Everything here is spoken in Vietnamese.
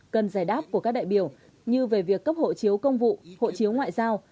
cần giải đáp của các đại biểu như về việc cấp hộ chiếu công vụ hộ chiếu ngoại giao